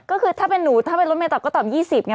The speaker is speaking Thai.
ก็คือถ้าเป็นหนูถ้าเป็นรถเมตอบก็ตอบ๒๐ไง